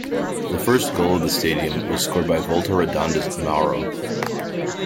The first goal of the stadium was scored by Volta Redonda's Mauro.